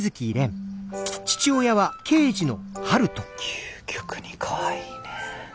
究極にかわいいね。